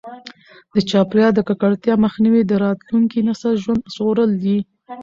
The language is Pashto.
د چاپیریال د ککړتیا مخنیوی د راتلونکي نسل ژوند ژغورل دي.